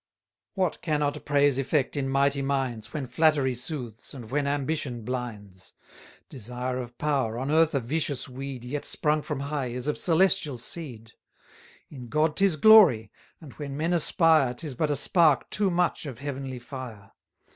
What cannot praise effect in mighty minds, When flattery soothes, and when ambition blinds? Desire of power, on earth a vicious weed, Yet sprung from high, is of celestial seed: In God 'tis glory; and when men aspire, 'Tis but a spark too much of heavenly fire.